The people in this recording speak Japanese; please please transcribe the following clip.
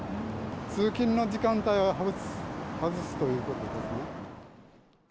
通勤の時間帯を外すということですね。